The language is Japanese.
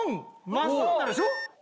真っすぐになるでしょ？